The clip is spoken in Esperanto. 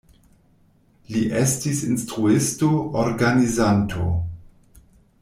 Li estis instruisto, organizanto.